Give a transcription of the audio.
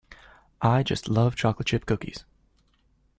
I just love chocolate chip cookies.